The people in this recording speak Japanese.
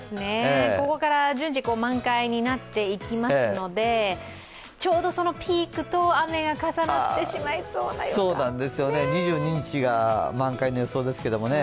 ここから順次満開になっていきますので、ちょうどピークと雨が重なってしまいそうな予感そうなんですよね、２２日が満開の予想ですけどもね。